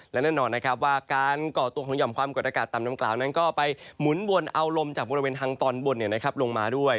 และแน่นอนนะครับว่าการก่อตัวของห่อมความกดอากาศต่ำดังกล่าวนั้นก็ไปหมุนวนเอาลมจากบริเวณทางตอนบนลงมาด้วย